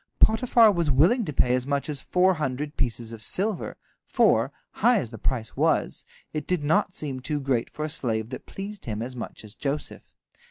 Potiphar was willing to pay as much as four hundred pieces of silver, for, high as the price was, it did not seem too great for a slave that pleased him as much as Joseph.